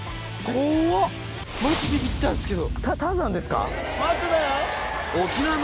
マジビビったんすけど。